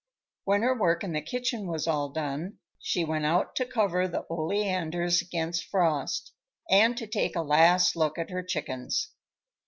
When her work in the kitchen was all done, she went out to cover the oleanders against frost, and to take a last look at her chickens.